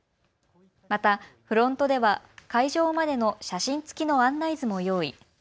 またフロントでは会場までの写真付きの案内図も用意。